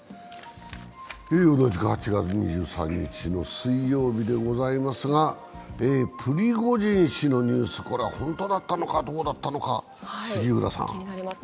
同じく８月２３日の水曜日でございますが、プリゴジン氏のニュース、これは本当だったのか、どうだったのか。